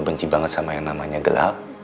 benci banget sama yang namanya gelap